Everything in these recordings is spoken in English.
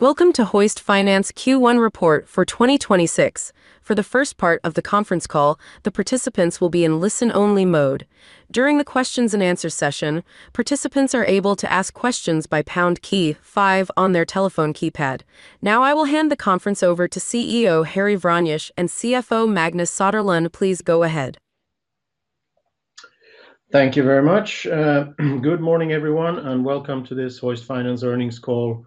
Welcome to Hoist Finance Q1 report for 2026. For the first part of the conference call, the participants will be in listen only mode. During the questions and answer session, participants are able to ask questions by pound key five on their telephone keypad. Now I will hand the conference over to CEO Harry Vranjes and CFO Magnus Söderlund. Please go ahead. Thank you very much. Good morning, everyone, and welcome to this Hoist Finance earnings call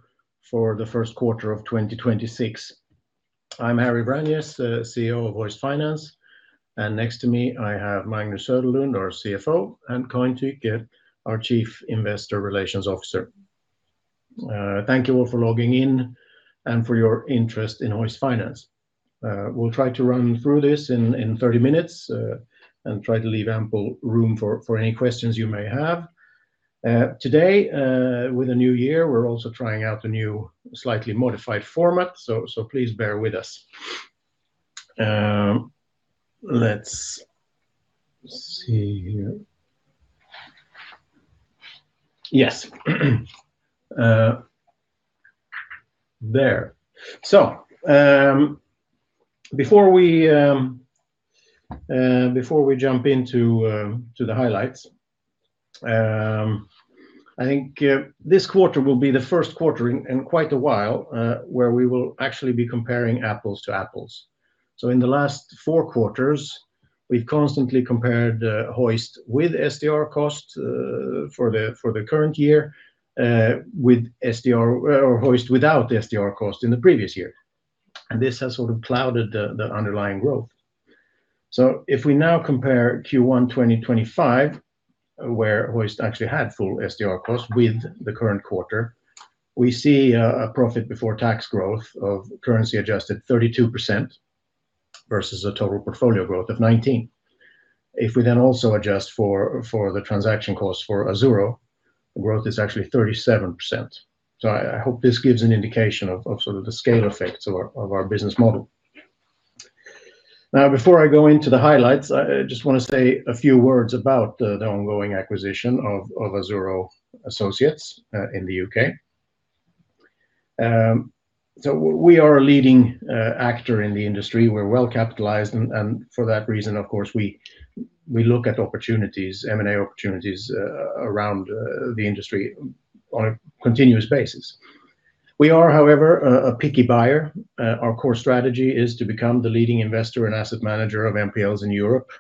for the first quarter of 2026. I'm Harry Vranjes, CEO of Hoist Finance, and next to me I have Magnus Söderlund, our CFO, and Karin Tyche, our Chief Investor Relations Officer. Thank you all for logging in and for your interest in Hoist Finance. We'll try to run through this in 30 minutes and try to leave ample room for any questions you may have. Today, with a new year, we're also trying out a new slightly modified format, so please bear with us. Let's see here. Yes. There. Before we jump into to the highlights, I think this quarter will be the first quarter in quite a while, where we will actually be comparing apples to apples. In the last four quarters, we've constantly compared Hoist with SDR costs for the current year, with SDR or Hoist without the SDR cost in the previous year. This has sort of clouded the underlying growth. If we now compare Q1 2025, where Hoist actually had full SDR cost with the current quarter, we see a profit before tax growth of currency adjusted 32% versus a total portfolio growth of 19. If we then also adjust for the transaction cost for Azzurro, growth is actually 37%. I hope this gives an indication of sort of the scale effects of our business model. Before I go into the highlights, I just wanna say a few words about the ongoing acquisition of Azzurro Associates in the U.K. We are a leading actor in the industry. We're well capitalized and for that reason, of course, we look at opportunities, M&A opportunities, around the industry on a continuous basis. We are, however, a picky buyer. Our core strategy is to become the leading investor and asset manager of NPLs in Europe,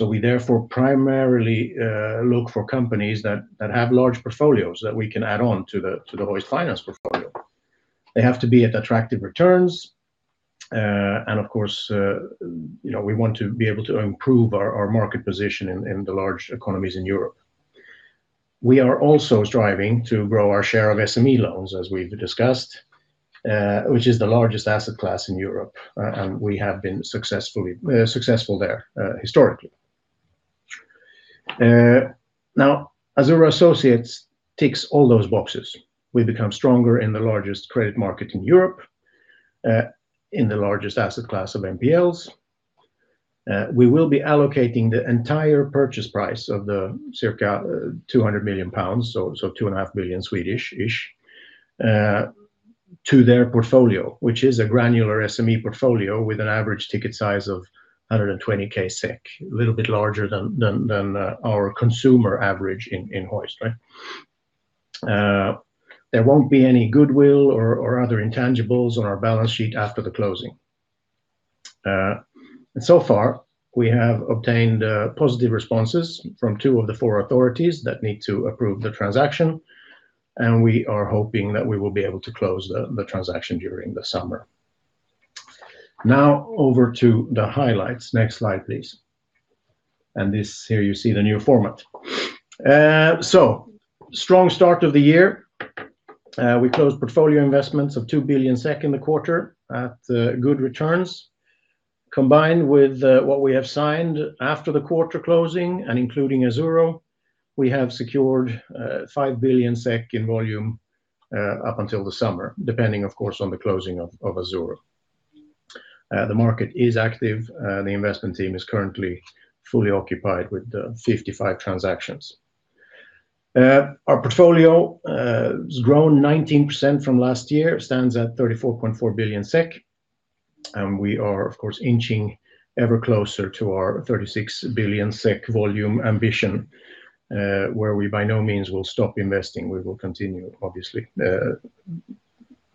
we therefore primarily look for companies that have large portfolios that we can add on to the Hoist Finance portfolio. They have to be at attractive returns, and of course, you know, we want to be able to improve our market position in the large economies in Europe. We are also striving to grow our share of SME loans, as we've discussed, which is the largest asset class in Europe, and we have been successful there historically. Now Azzurro Associates ticks all those boxes. We become stronger in the largest credit market in Europe, in the largest asset class of NPLs. We will be allocating the entire purchase price of the circa 200 million pounds, so 2.5 billion ish, to their portfolio, which is a granular SME portfolio with an average ticket size of 120,000 SEK, a little bit larger than our consumer average in Hoist, right? There won't be any goodwill or other intangibles on our balance sheet after the closing. So far we have obtained positive responses from two of the four authorities that need to approve the transaction, and we are hoping that we will be able to close the transaction during the summer. Over to the highlights. Next slide, please. This here you see the new format. Strong start of the year. We closed portfolio investments of 2 billion SEK in the quarter at good returns. Combined with what we have signed after the quarter closing and including Azzurro, we have secured 5 billion SEK in volume up until the summer, depending of course on the closing of Azzurro. The market is active. The investment team is currently fully occupied with 55 transactions. Our portfolio has grown 19% from last year. It stands at 34.4 billion SEK, and we are of course inching ever closer to our 36 billion SEK volume ambition, where we by no means will stop investing. We will continue, obviously,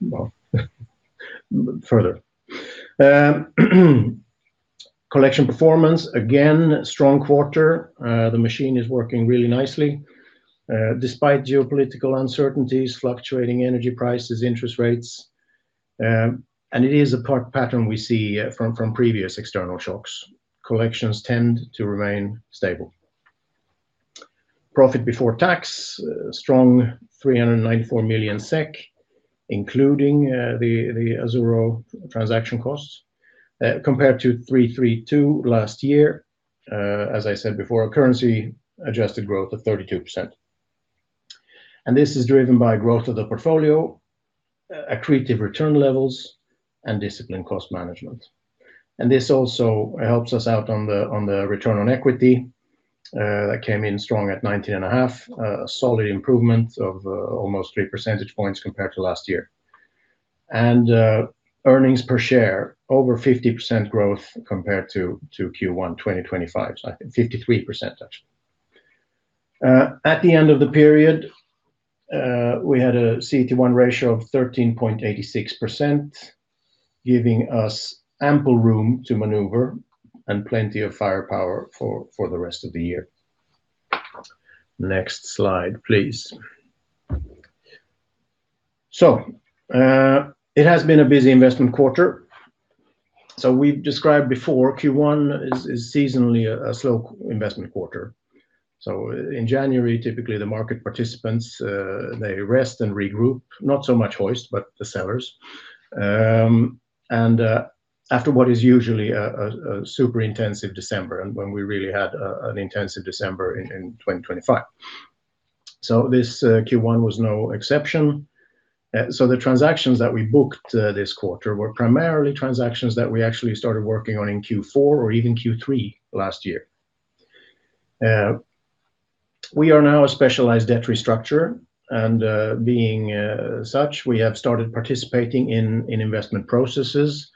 well further. Collection performance, again, strong quarter. The machine is working really nicely despite geopolitical uncertainties, fluctuating energy prices, interest rates. It is a part pattern we see from previous external shocks. Collections tend to remain stable. Profit before tax, strong 394 million SEK, including the Azzurro transaction costs, compared to 332 last year. As I said before, a currency adjusted growth of 32%. This is driven by growth of the portfolio, accretive return levels and disciplined cost management. This also helps us out on the return on equity. That came in strong at 19.5. A solid improvement of almost three percentage points compared to last year. Earnings per share over 50% growth compared to Q1 2025. I think 53% actually. At the end of the period, we had a CET1 ratio of 13.86%, giving us ample room to maneuver and plenty of firepower for the rest of the year. Next slide, please. It has been a busy investment quarter. We've described before Q1 is seasonally a slow investment quarter. In January, typically the market participants, they rest and regroup, not so much Hoist, but the sellers. After what is usually a super intensive December and when we really had an intensive December in 2025. This Q1 was no exception. The transactions that we booked this quarter were primarily transactions that we actually started working on in Q4 or even Q3 last year. We are now a specialized debt restructurer and, being such, we have started participating in investment processes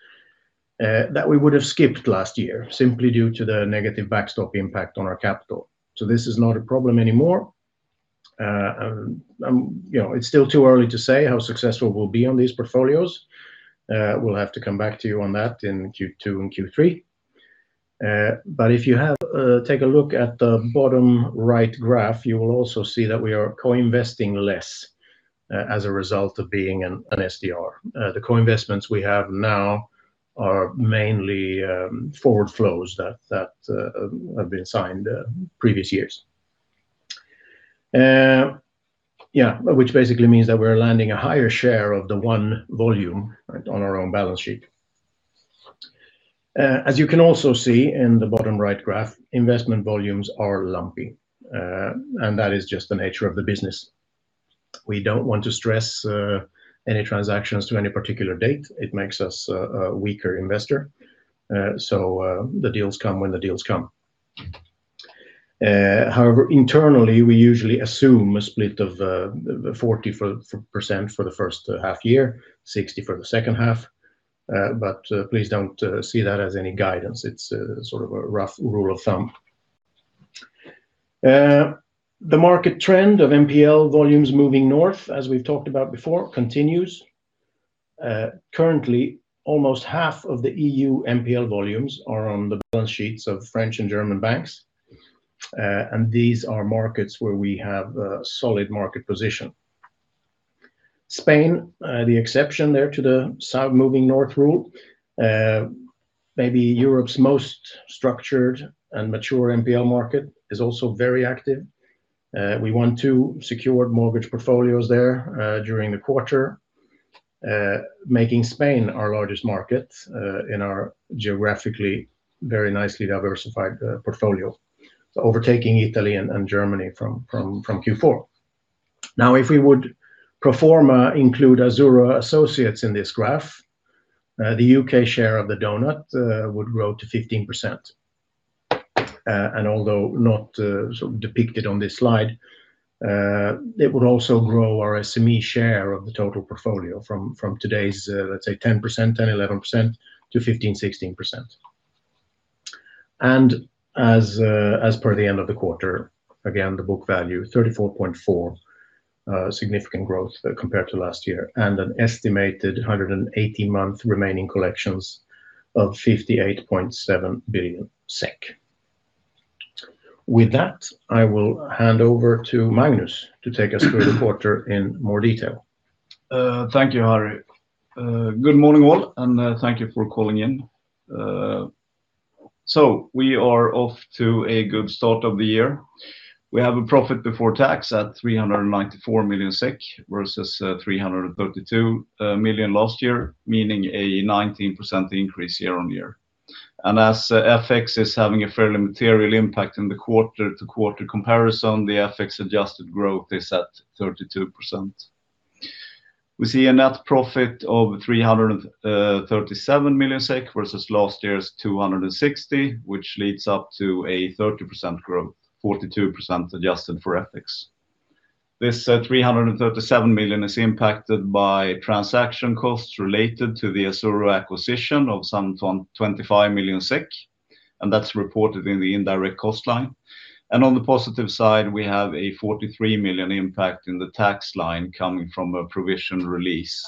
that we would've skipped last year simply due to the negative backstop impact on our capital. This is not a problem anymore. You know, it's still too early to say how successful we'll be on these portfolios. We'll have to come back to you on that in Q2 and Q3. But if you have, take a look at the bottom right graph, you will also see that we are co-investing less as a result of being an SDR. The co-investments we have now are mainly forward flows that have been signed previous years. Which basically means that we're landing a higher share of the one volume on our own balance sheet. As you can also see in the bottom right graph, investment volumes are lumpy. That is just the nature of the business. We don't want to stress any transactions to any particular date. It makes us a weaker investor. The deals come when the deals come. However, internally, we usually assume a split of 40% for the first half year, 60% for the second half. Please don't see that as any guidance. It's sort of a rough rule of thumb. The market trend of NPL volumes moving north, as we've talked about before, continues. Currently almost half of the EU NPL volumes are on the balance sheets of French and German banks. These are markets where we have a solid market position. Spain, the exception there to the south moving north rule, maybe Europe's most structured and mature NPL market is also very active. We won two secured mortgage portfolios there during the quarter, making Spain our largest market in our geographically very nicely diversified portfolio, overtaking Italy and Germany from Q4. Now, if we would pro forma include Azzurro Associates in this graph, the U.K. share of the donut would grow to 15%. And although not sort of depicted on this slide, it would also grow our SME share of the total portfolio from today's, let's say 10%, 10%-11% to 15%-16%. As, as per the end of the quarter, again, the book value 34.4, significant growth compared to last year and an estimated 180-month remaining collections of 58.7 billion SEK. With that, I will hand over to Magnus to take us through the quarter in more detail. Thank you, Harry. Good morning all, and thank you for calling in. We are off to a good start of the year. We have a profit before tax at 394 million SEK versus 332 million last year, meaning a 19% increase year-on-year. As FX is having a fairly material impact in the quarter-to-quarter comparison, the FX adjusted growth is at 32%. We see a net profit of 337 million SEK versus last year's 260 million, which leads up to a 30% growth, 42% adjusted for FX. This 337 million is impacted by transaction costs related to the Azzurro acquisition of some 20 million-25 million SEK, and that's reported in the indirect cost line. On the positive side, we have a 43 million impact in the tax line coming from a provision release.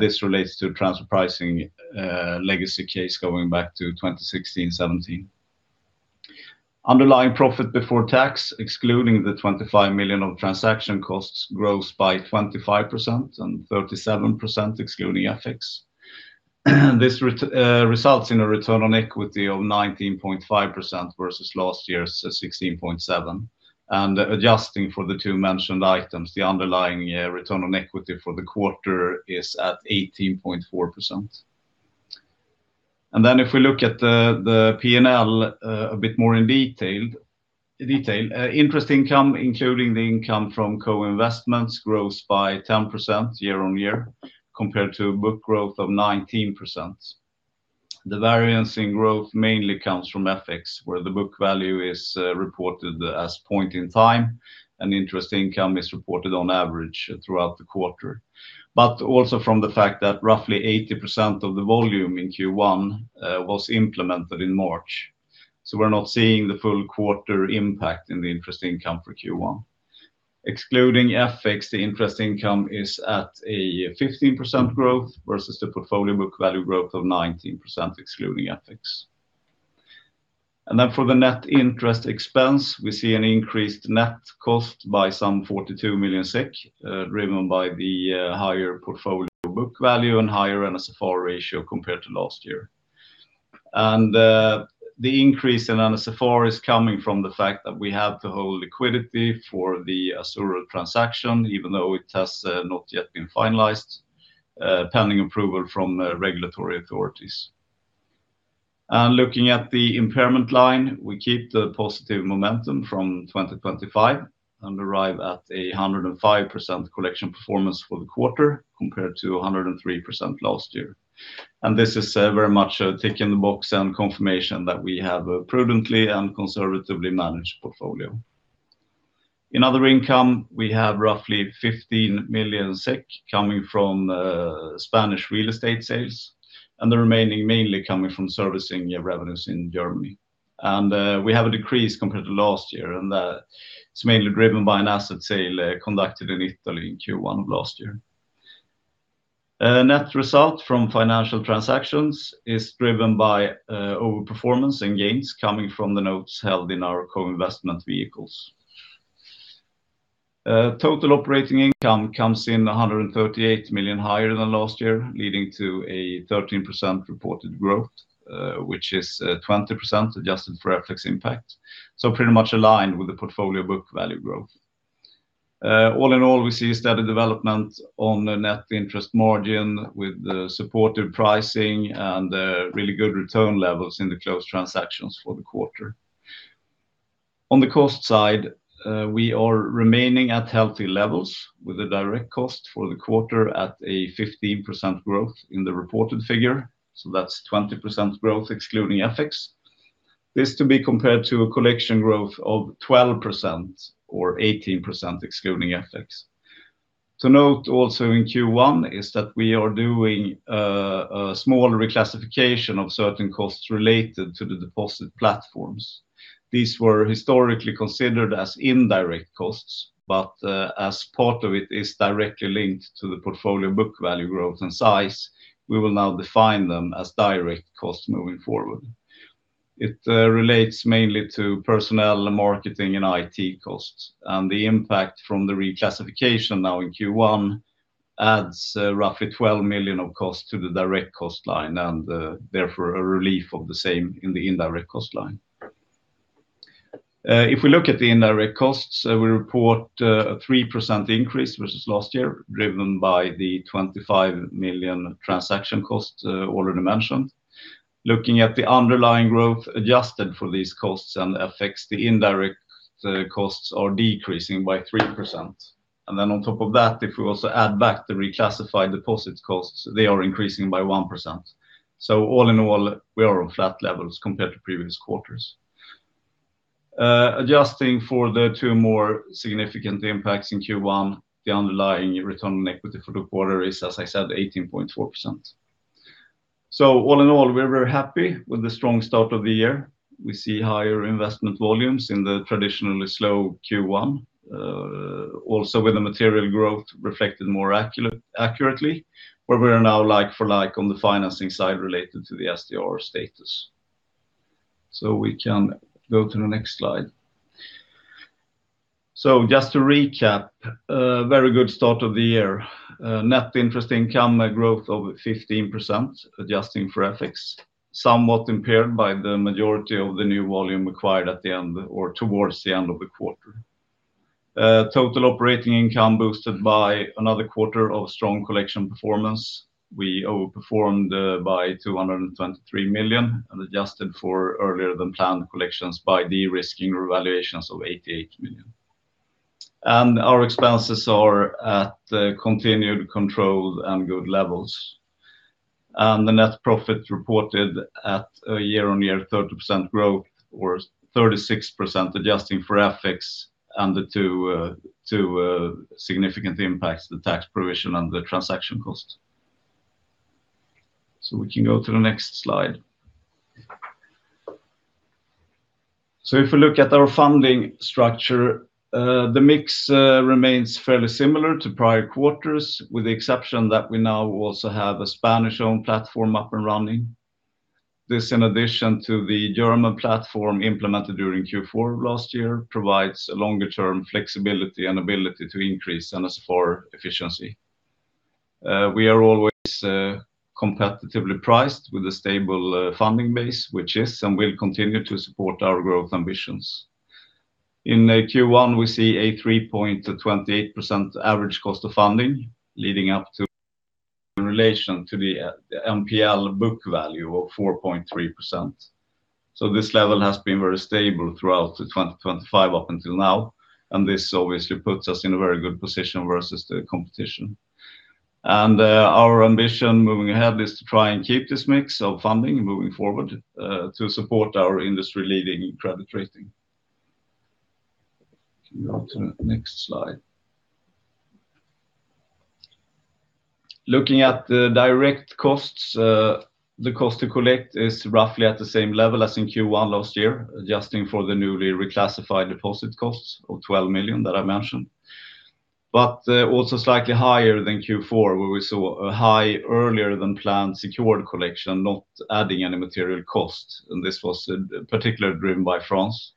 This relates to transfer pricing, legacy case going back to 2016, 2017. Underlying profit before tax, excluding the 25 million of transaction costs, grows by 25% and 37% excluding FX. This results in a return on equity of 19.5% versus last year's 16.7%. Adjusting for the two mentioned items, the underlying return on equity for the quarter is at 18.4%. If we look at the P&L, a bit more in detail, interest income, including the income from co-investments, grows by 10% year-on-year compared to book growth of 19%. The variance in growth mainly comes from FX, where the book value is reported as point in time and interest income is reported on average throughout the quarter. Also from the fact that roughly 80% of the volume in Q1 was implemented in March. We're not seeing the full quarter impact in the interest income for Q1. Excluding FX, the interest income is at a 15% growth versus the portfolio book value growth of 19% excluding FX. For the net interest expense, we see an increased net cost by some 42 million SEK, driven by the higher portfolio book value and higher NSFR ratio compared to last year. The increase in NSFR is coming from the fact that we have to hold liquidity for the Azzurro transaction, even though it has not yet been finalized, pending approval from regulatory authorities. Looking at the impairment line, we keep the positive momentum from 2025 and arrive at a 105% collection performance for the quarter compared to 103% last year. This is very much a tick in the box and confirmation that we have prudently and conservatively managed portfolio. In other income, we have roughly 15 million SEK coming from Spanish real estate sales and the remaining mainly coming from servicing revenues in Germany. We have a decrease compared to last year and it's mainly driven by an asset sale conducted in Italy in Q1 of last year. Net result from financial transactions is driven by overperformance and gains coming from the notes held in our co-investment vehicles. Total operating income comes in 138 million higher than last year, leading to a 13% reported growth, which is 20% adjusted for FX impact. Pretty much aligned with the portfolio book value growth. All in all, we see steady development on net interest margin with supportive pricing and really good return levels in the closed transactions for the quarter. On the cost side, we are remaining at healthy levels with a direct cost for the quarter at a 15% growth in the reported figure. That's 20% growth excluding FX. This to be compared to a collection growth of 12% or 18% excluding FX. To note also in Q1 is that we are doing a small reclassification of certain costs related to the deposit platforms. These were historically considered as indirect costs, but as part of it is directly linked to the portfolio book value growth and size, we will now define them as direct costs moving forward. It relates mainly to personnel, marketing and IT costs. The impact from the reclassification now in Q1 adds roughly 12 million of cost to the direct cost line and therefore a relief of the same in the indirect cost line. We look at the indirect costs, we report a 3% increase versus last year driven by the 25 million transaction costs already mentioned. Looking at the underlying growth adjusted for these costs and FX, the indirect costs are decreasing by 3%. On top of that, if we also add back the reclassified deposit costs, they are increasing by 1%. All in all, we are on flat levels compared to previous quarters. Adjusting for the two more significant impacts in Q1, the underlying return on equity for the quarter is, as I said, 18.4%. All in all, we're very happy with the strong start of the year. We see higher investment volumes in the traditionally slow Q1. Also with the material growth reflected more accurately, where we are now like for like on the financing side related to the SDR status. We can go to the next slide. Just to recap, a very good start of the year. Net interest income growth of 15%, adjusting for FX, somewhat impaired by the majority of the new volume acquired at the end or towards the end of the quarter. Total operating income boosted by another quarter of strong collection performance. We overperformed by 223 million and adjusted for earlier than planned collections by de-risking revaluations of 88 million. Our expenses are at continued controlled and good levels. The net profit reported at a year-on-year 30% growth or 36% adjusting for FX and the two significant impacts, the tax provision and the transaction costs. We can go to the next slide. If we look at our funding structure, the mix remains fairly similar to prior quarters, with the exception that we now also have a Spanish-owned platform up and running. This in addition to the German platform implemented during Q4 of last year provides a longer-term flexibility and ability to increase NSFR efficiency. We are always competitively priced with a stable funding base, which is and will continue to support our growth ambitions. In Q1, we see a 3.28% average cost of funding leading up to in relation to the NPL book value of 4.3%. This level has been very stable throughout the 2025 up until now. This obviously puts us in a very good position versus the competition. Our ambition moving ahead is to try and keep this mix of funding moving forward to support our industry-leading credit rating. Can you go to the next slide? Looking at the direct costs, the cost to collect is roughly at the same level as in Q1 last year, adjusting for the newly reclassified deposit costs of 12 million that I mentioned. Also slightly higher than Q4, where we saw a high earlier than planned secured collection, not adding any material cost, and this was particularly driven by France.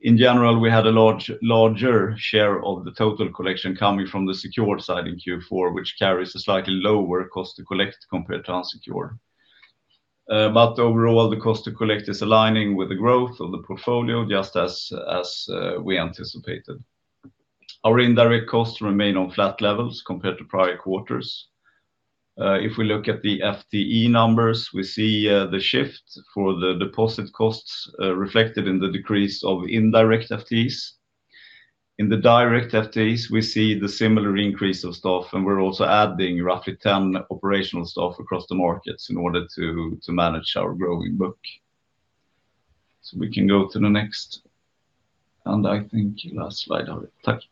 In general, we had a larger share of the total collection coming from the secured side in Q4, which carries a slightly lower cost to collect compared to unsecured. Overall, the cost to collect is aligning with the growth of the portfolio, just as we anticipated. Our indirect costs remain on flat levels compared to prior quarters. If we look at the FTE numbers, we see the shift for the deposit costs reflected in the decrease of indirect FTEs. In the direct FTEs, we see the similar increase of staff, and we're also adding roughly 10 operational staff across the markets in order to manage our growing book. We can go to the next, and I think last slide, Harry. Thank you.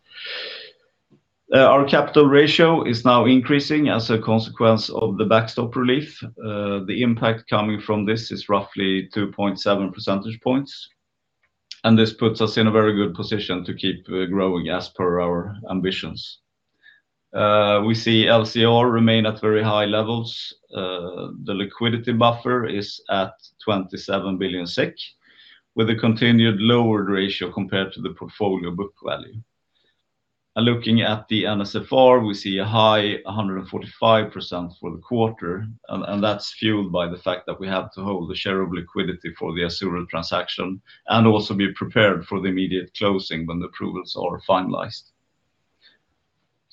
Our capital ratio is now increasing as a consequence of the backstop relief. The impact coming from this is roughly 2.7 percentage points, and this puts us in a very good position to keep growing as per our ambitions. We see LCR remain at very high levels. The liquidity buffer is at 27 billion SEK, with a continued lower ratio compared to the portfolio book value. Looking at the NSFR, we see a high 145% for the quarter, and that's fueled by the fact that we have to hold the share of liquidity for the Azzurro transaction and also be prepared for the immediate closing when the approvals are finalized.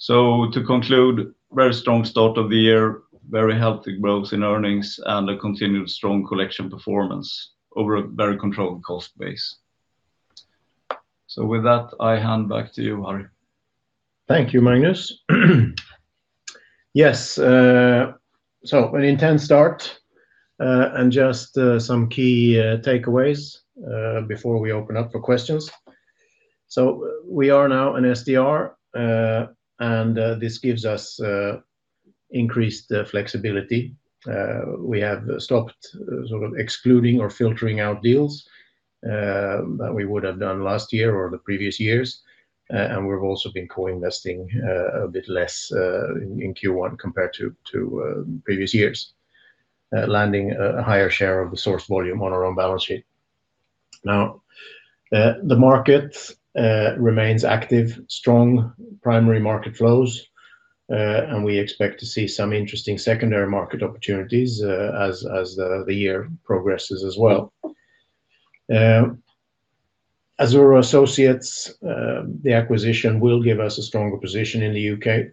To conclude, very strong start of the year, very healthy growth in earnings, and a continued strong collection performance over a very controlled cost base. With that, I hand back to you, Harry. Thank you, Magnus. Yes, an intense start, and just some key takeaways before we open up for questions. We are now an SDR, and this gives us increased flexibility. We have stopped sort of excluding or filtering out deals that we would have done last year or the previous years. And we've also been co-investing a bit less in Q1 compared to previous years, landing a higher share of the source volume on our own balance sheet. The market remains active, strong primary market flows, and we expect to see some interesting secondary market opportunities as the year progresses as well. Azzurro Associates, the acquisition will give us a stronger position in the U.K.,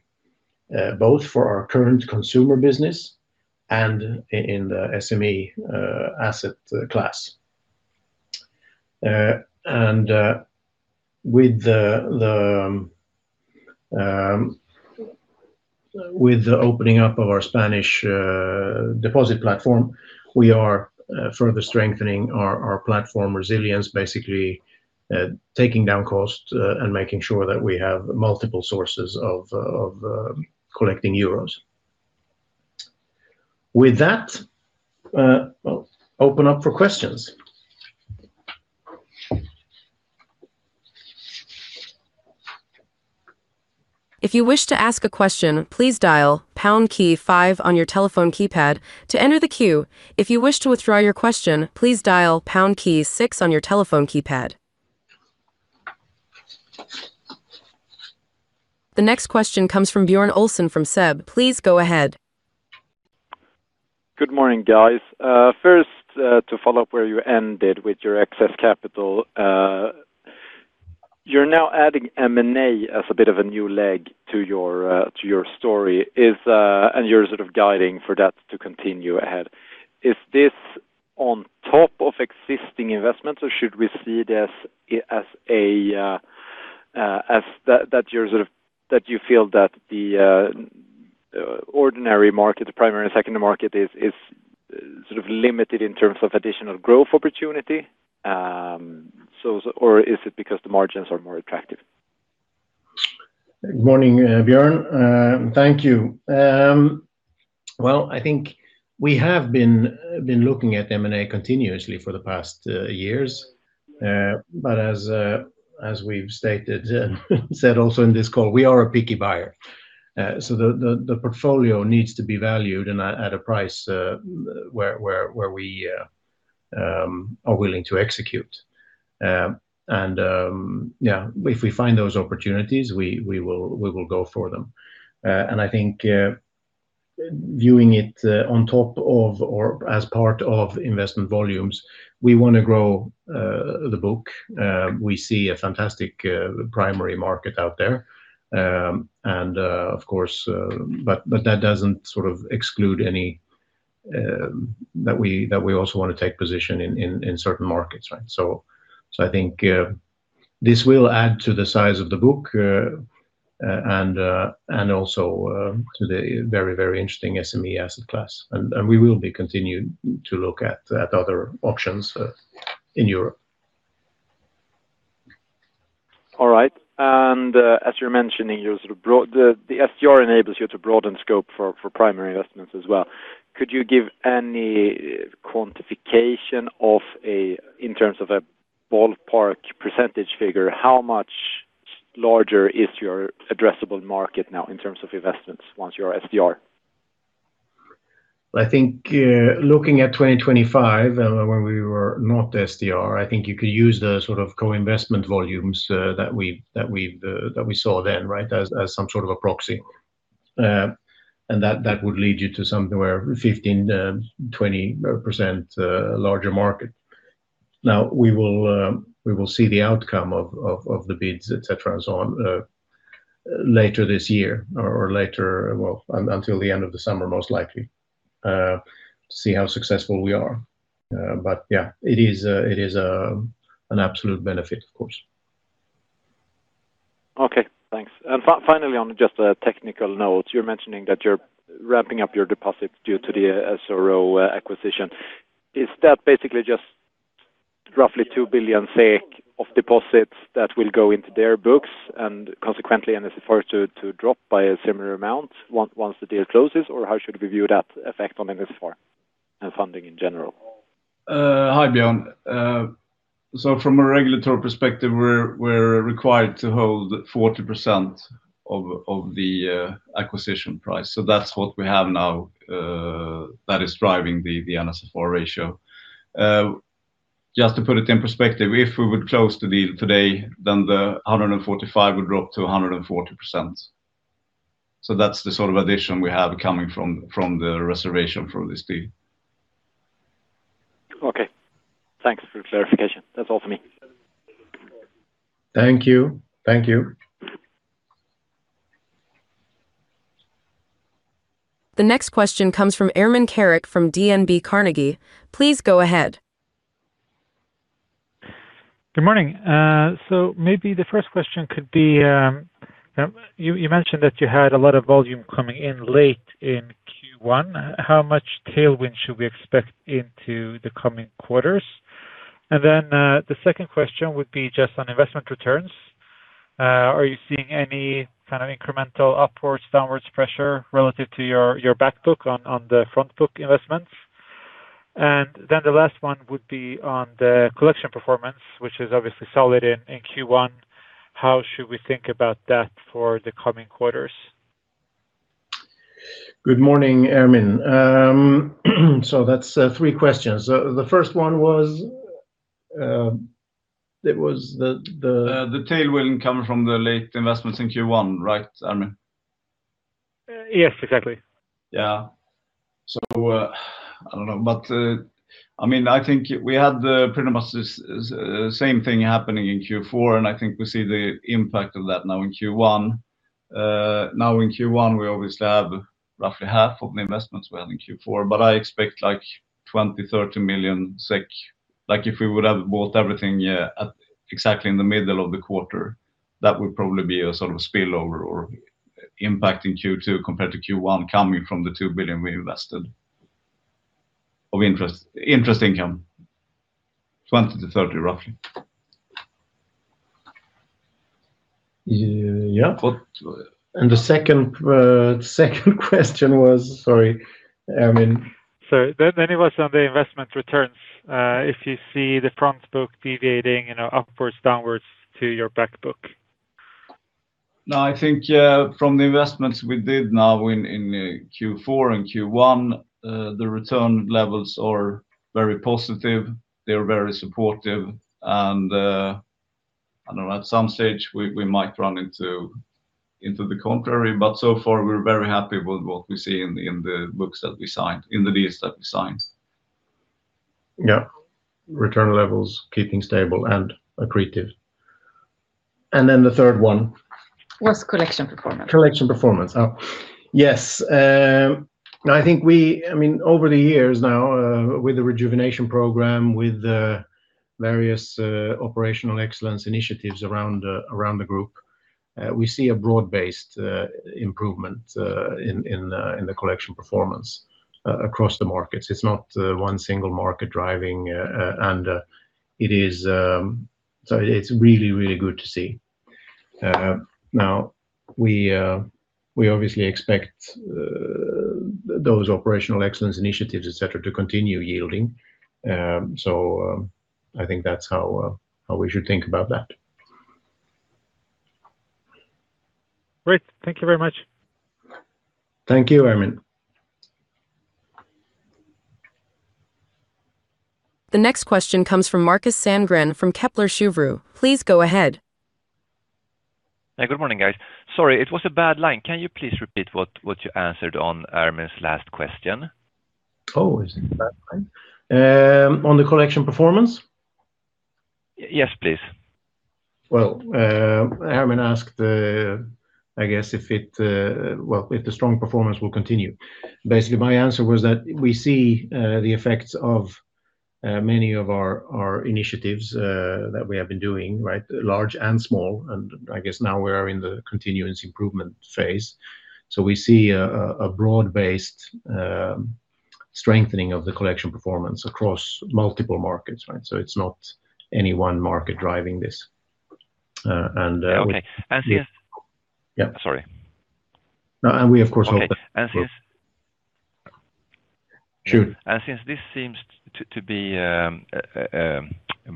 both for our current consumer business and in the SME asset class. With the opening up of our Spanish deposit platform, we are further strengthening our platform resilience, basically taking down costs and making sure that we have multiple sources of collecting euros. With that, we'll open up for questions. If you wish to ask a question please dial pound key five on your telephone keypad to enter the queue. If you wish to withdraw your question, please dial pound key six on your telephone keypad. The next question comes from Björn Olsson from SEB. Please go ahead. Good morning, guys. First, to follow up where you ended with your excess capital, you're now adding M&A as a bit of a new leg to your story. You're sort of guiding for that to continue ahead. Is this on top of existing investments, or should we see this as that you're sort of that you feel that the ordinary market, the primary and secondary market is sort of limited in terms of additional growth opportunity, or is it because the margins are more attractive? Good morning, Björn. Thank you. Well, I think we have been looking at M&A continuously for the past years. As we've stated also in this call, we are a picky buyer. The portfolio needs to be valued at a price where we are willing to execute. Yeah, if we find those opportunities, we will go for them. I think viewing it on top of or as part of investment volumes, we wanna grow the book. We see a fantastic primary market out there. Of course, that doesn't sort of exclude any. That we also wanna take position in certain markets, right? I think this will add to the size of the book and also to the very, very interesting SME asset class. We will be continuing to look at other options in Europe. All right. As you're mentioning, the SDR enables you to broaden scope for primary investments as well. Could you give any quantification in terms of a ballpark percentage figure, how much larger is your addressable market now in terms of investments once you're SDR? I think, looking at 2025, when we were not SDR, I think you could use the sort of co-investment volumes, that we've that we saw then, right? As some sort of a proxy. That would lead you to somewhere 15%-20%, larger market. Now we will, we will see the outcome of the bids, et cetera, and so on, later this year or later well, until the end of the summer, most likely, to see how successful we are. Yeah, it is an absolute benefit, of course. Okay, thanks. Finally, on just a technical note, you're mentioning that you're ramping up your deposits due to the SDR acquisition. Is that basically just roughly 2 billion SEK of deposits that will go into their books and consequently NSFR to drop by a similar amount once the deal closes? How should we view that effect on NSFR and funding in general? Hi, Björn. From a regulatory perspective, we're required to hold 40% of the acquisition price. That's what we have now, that is driving the NSFR ratio. Just to put it in perspective, if we would close the deal today, the 145 would drop to 140%. That's the sort of addition we have coming from the reservation for this deal. Okay. Thanks for the clarification. That's all for me. Thank you. Thank you. The next question comes from Ermin Keric from DNB Carnegie. Please go ahead. Good morning. Maybe the first question could be, you mentioned that you had a lot of volume coming in late in Q1. How much tailwind should we expect into the coming quarters? The second question would be just on investment returns. Are you seeing any kind of incremental upwards, downwards pressure relative to your back book on the front book investments? The last one would be on the collection performance, which is obviously solid in Q1. How should we think about that for the coming quarters? Good morning, Ermin. That's three questions. The first one was. The tailwind coming from the late investments in Q1, right, Ermin? Yes, exactly. Yeah. I don't know. I mean, I think we had pretty much the same thing happening in Q4, and I think we see the impact of that now in Q1. Now in Q1, we obviously have roughly half of the investments we had in Q4, but I expect like 20, 30 million. Like if we would have bought everything, yeah, at exactly in the middle of the quarter, that would probably be a sort of spillover or impact in Q2 compared to Q1 coming from the 2 billion we invested of interest income, 20 to 30 roughly. Yeah. But, uh. The second question was? Sorry, Ermin. Sorry. It was on the investment returns, if you see the front book deviating, you know, upwards, downwards to your back book. No, I think, from the investments we did now in Q4 and Q1, the return levels are very positive. They are very supportive. I don't know, at some stage we might run into the contrary, but so far we're very happy with what we see in the, in the books that we signed, in the deals that we signed. Yeah. Return levels keeping stable and accretive. The third one. Was collection performance? Collection performance. Oh, yes. I mean, over the years now, with the rejuvenation program, with the various operational excellence initiatives around the group, we see a broad-based improvement in the collection performance across the markets. It's not one single market driving, and it is. So it's really good to see. Now we obviously expect those operational excellence initiatives, et cetera, to continue yielding. I think that's how we should think about that. Great. Thank you very much. Thank you, Ermin. The next question comes from Markus Sandgren from Kepler Cheuvreux. Please go ahead. Yeah, good morning, guys. Sorry, it was a bad line. Can you please repeat what you answered on Ermin's last question? Oh, it was a bad line. On the collection performance? Yes, please. Well, Ermin Keric asked, I guess if it, well, if the strong performance will continue. Basically, my answer was that we see the effects of many of our initiatives that we have been doing, right? Large and small. I guess now we are in the continuous improvement phase. We see a broad-based strengthening of the collection performance across multiple markets, right? It's not any one market driving this. Okay. Yeah. Sorry. No. Okay. since Sure. Since this seems to be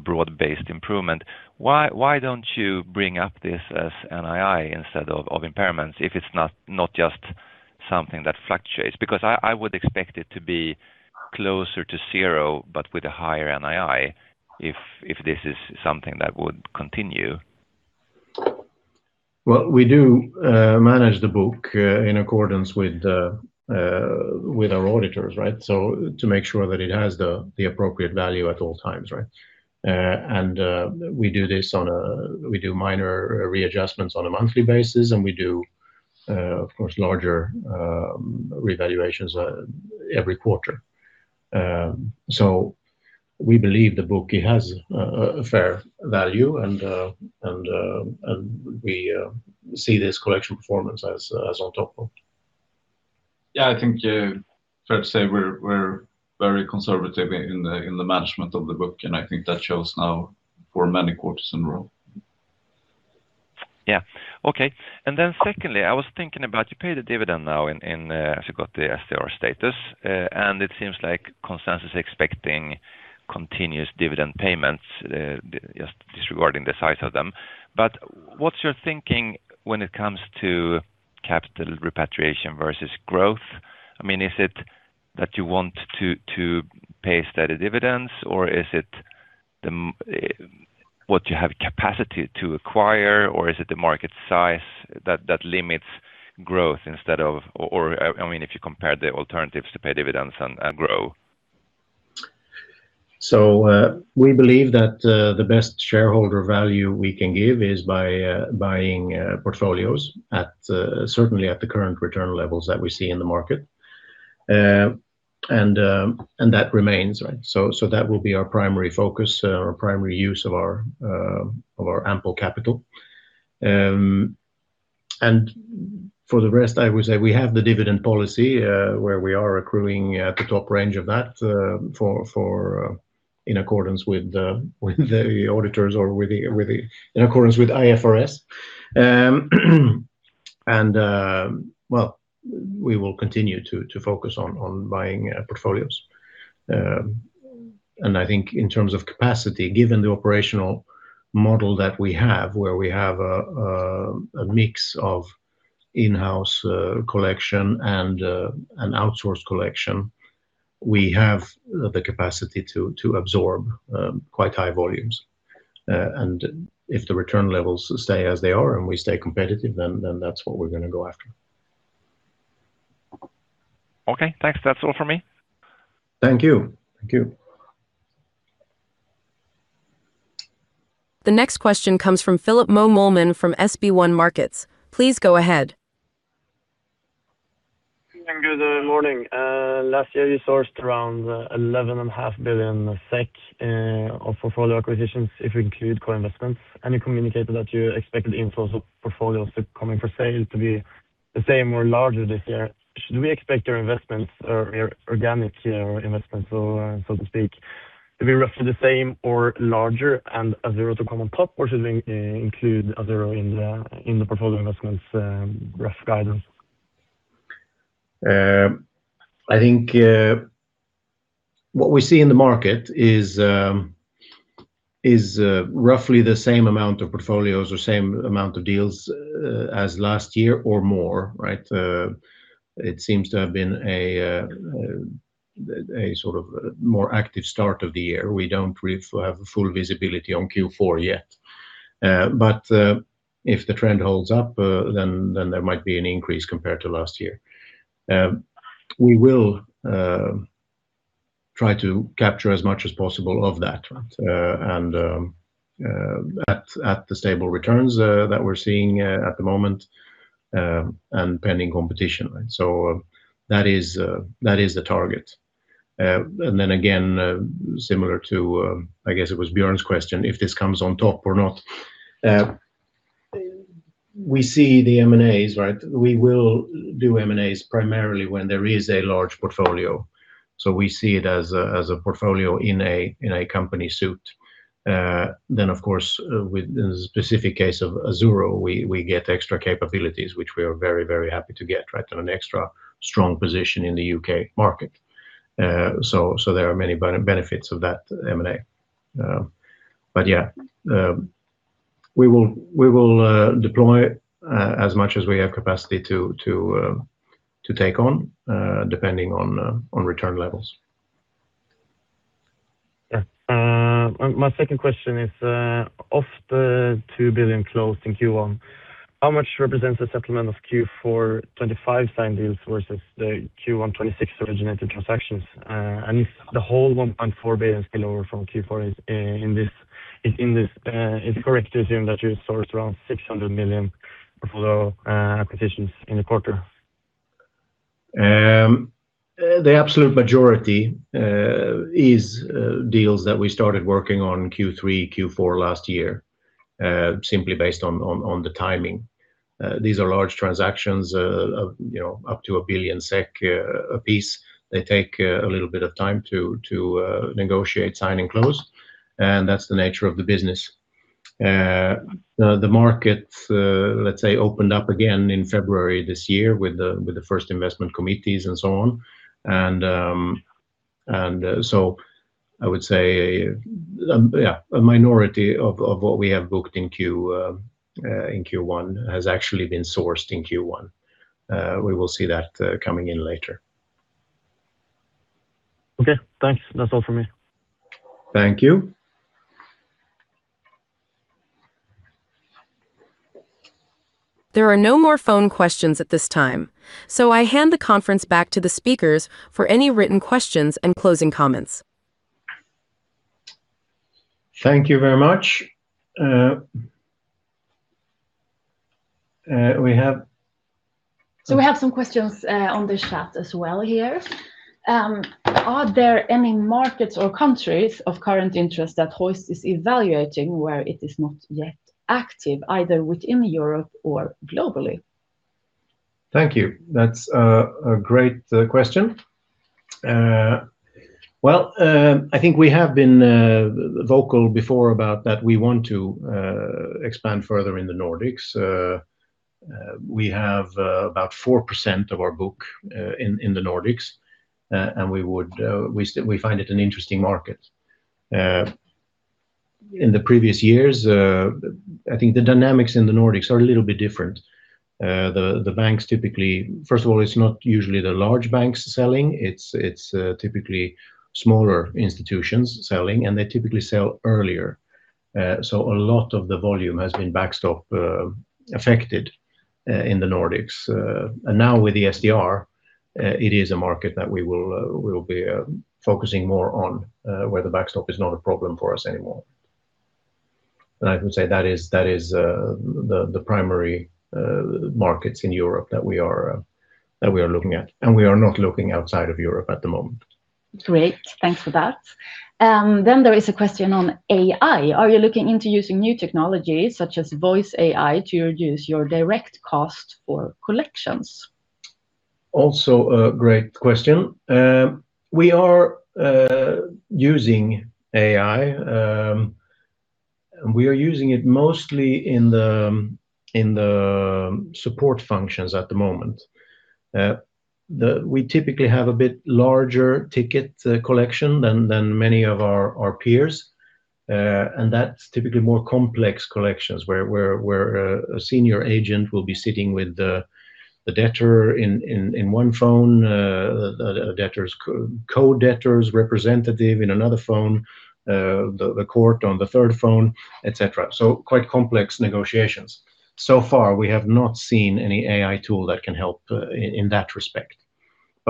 broad-based improvement, why don't you bring up this as NII instead of impairments if it's not just something that fluctuates? Because I would expect it to be closer to zero, but with a higher NII if this is something that would continue. Well, we do manage the book in accordance with with our auditors, right? To make sure that it has the appropriate value at all times, right? We do minor readjustments on a monthly basis, and we do of course larger revaluations every quarter. We believe the book has a fair value and and and we see this collection performance as as on top of it. Yeah. I think, fair to say we're very conservative in the management of the book, and I think that shows now for many quarters in a row. Yeah. Okay. Secondly, I was thinking about you pay the dividend now in, after you got the SDR status. It seems like consensus expecting continuous dividend payments, just disregarding the size of them. What's your thinking when it comes to capital repatriation versus growth? I mean, is it that you want to pay steady dividends, or is it what you have capacity to acquire, or is it the market size that limits growth instead of I mean, if you compare the alternatives to pay dividends and grow. We believe that the best shareholder value we can give is by buying portfolios at certainly at the current return levels that we see in the market. That remains, right? That will be our primary focus, our primary use of our ample capital. For the rest, I would say we have the dividend policy, where we are accruing at the top range of that, in accordance with the auditors or in accordance with IFRS. We will continue to focus on buying portfolios. I think in terms of capacity, given the operational model that we have, where we have a mix of in-house collection and an outsourced collection, we have the capacity to absorb quite high volumes. If the return levels stay as they are and we stay competitive, then that's what we're gonna go after. Okay, thanks. That's all for me. Thank you. Thank you. The next question comes from Phillip Moe Mølmen from SB1 Markets. Please go ahead. Good morning. Last year you sourced around eleven and a 500 million SEK of portfolio acquisitions if you include core investments. You communicated that you expected inflows of portfolios coming for sale to be the same or larger this year. Should we expect your investments or your organic investments, so to speak, to be roughly the same or larger and Azzurro to come on top? Should we include Azzurro in the portfolio investments, rough guidance? I think what we see in the market is roughly the same amount of portfolios or same amount of deals as last year or more, right? It seems to have been a sort of more active start of the year. We don't have full visibility on Q4 yet. If the trend holds up, then there might be an increase compared to last year. We will try to capture as much as possible of that. At the stable returns that we're seeing at the moment and pending competition. That is the target. Again, similar to I guess it was Björn's question, if this comes on top or not. We see the M&As, right? We will do M&As primarily when there is a large portfolio. We see it as a portfolio in a company suit. Of course, with the specific case of Azzurro, we get extra capabilities, which we are very, very happy to get, right? An extra strong position in the U.K. market. There are many benefits of that M&A. Yeah, we will deploy as much as we have capacity to take on, depending on return levels. Yeah. My second question is, of the 2 billion closed in Q1. How much represents the settlement of Q4 2025 signed deals versus the Q1 2026 originated transactions? If the whole 1.4 billion spillover from Q4 is in this, is it correct to assume that you sourced around 600 million portfolio acquisitions in the quarter? The absolute majority is deals that we started working on Q3, Q4 last year, simply based on the timing. These are large transactions, you know, up to 1 billion SEK apiece. They take a little bit of time to negotiate, sign, and close, and that's the nature of the business. The market, let's say, opened up again in February this year with the first investment committees and so on. I would say a minority of what we have booked in Q1 has actually been sourced in Q1. We will see that coming in later. Okay, thanks. That's all from me. Thank you. There are no more phone questions at this time, so I hand the conference back to the speakers for any written questions and closing comments. Thank you very much. We have some questions on the chat as well here. Are there any markets or countries of current interest that Hoist is evaluating where it is not yet active, either within Europe or globally? Thank you. That's a great question. Well, I think we have been vocal before about that we want to expand further in the Nordics. We have about 4% of our book in the Nordics, and we find it an interesting market. In the previous years, I think the dynamics in the Nordics are a little bit different. The banks typically, first of all, it's not usually the large banks selling, it's typically smaller institutions selling, and they typically sell earlier. A lot of the volume has been backstop affected in the Nordics. Now with the SDR, it is a market that we will, we will be focusing more on, where the backstop is not a problem for us anymore. I would say that is, that is, the primary markets in Europe that we are, that we are looking at, and we are not looking outside of Europe at the moment. Great. Thanks for that. There is a question on AI. Are you looking into using new technology such as voice AI to reduce your direct cost for collections? A great question. We are using AI. We are using it mostly in the support functions at the moment. We typically have a bit larger ticket collection than many of our peers. That's typically more complex collections where a senior agent will be sitting with the debtor in one phone, the debtor's co-debtor's representative in another phone, the court on the third phone, et cetera. Quite complex negotiations. So far, we have not seen any AI tool that can help in that respect.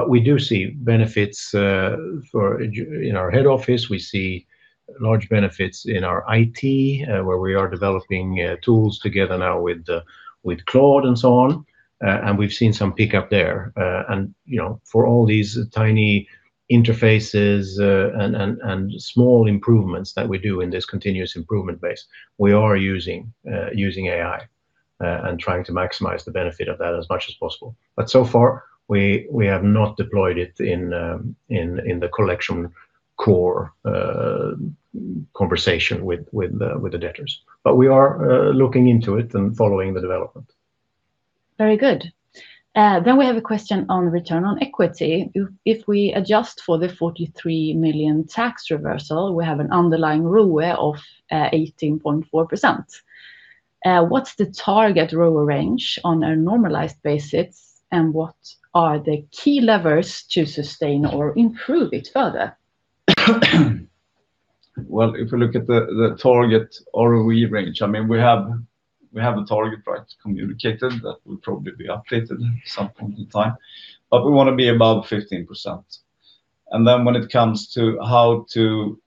We do see benefits for in our head office. We see large benefits in our IT, where we are developing tools together now with Claude and so on. We've seen some pickup there. You know, for all these tiny interfaces, and small improvements that we do in this continuous improvement base, we are using AI, and trying to maximize the benefit of that as much as possible. So far, we have not deployed it in the collection core, conversation with the debtors. We are looking into it and following the development. Very good. We have a question on return on equity. If we adjust for the 43 million tax reversal, we have an underlying ROE of 18.4%. What's the target ROE range on a normalized basis, and what are the key levers to sustain or improve it further? If you look at the target ROE range, I mean, we have a target price communicated that will probably be updated at some point in time. We wanna be above 15%. When it comes to how to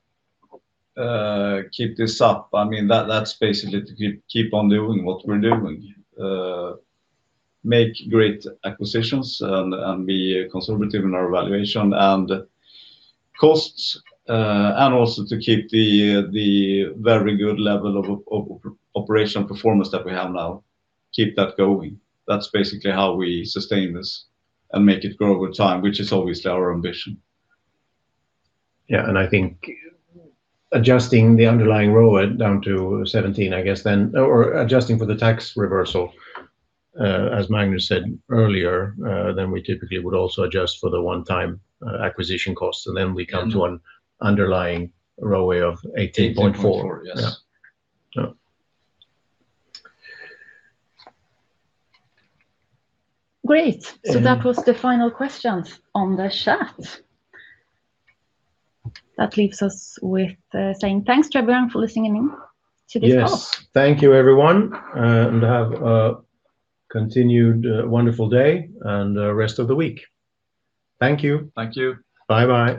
keep this up, I mean, that's basically to keep on doing what we're doing. Make great acquisitions and be conservative in our valuation and costs, and also to keep the very good level of operational performance that we have now, keep that going. That's basically how we sustain this and make it grow over time, which is always our ambition. I think adjusting the underlying ROE down to 17, I guess then, or adjusting for the tax reversal, as Magnus said earlier, then we typically would also adjust for the one-time acquisition costs, and then we come to an underlying ROE of 18.4. 18.4, yes. Yeah. Yeah. Great. That was the final questions on the chat. That leaves us with saying thanks to everyone for listening in to this call. Yes. Thank you, everyone, and have a continued wonderful day and rest of the week. Thank you. Thank you. Bye-bye.